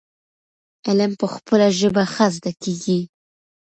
علم په خپله ژبه ښه زده کيږي.